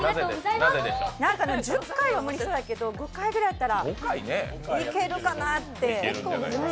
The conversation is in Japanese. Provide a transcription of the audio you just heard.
１０回は無理そうだけど、５回ぐらいやったらいけるかなって。